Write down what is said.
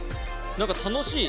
何か楽しい。